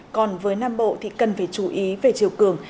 còn với nam bộ thì cần phải chú ý về chiều cường